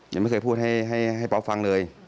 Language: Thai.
ยังไม่เคยพูดให้ป๊อปฟังเลย